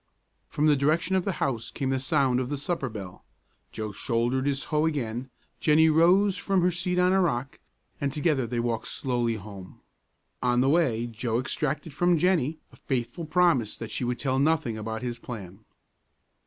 From the direction of the house came the sound of the supper bell. Joe shouldered his hoe again; Jennie rose from her seat on a rock, and together they walked slowly home. On the way Joe exacted from Jennie a faithful promise that she would tell nothing about his plan.